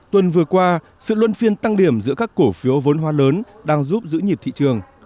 tuần vừa qua sự luân phiên tăng điểm giữa các cổ phiếu vốn hoa lớn đang giúp giữ nhịp thị trường